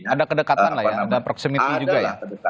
ada kedekatan lah ya ada proximity juga ya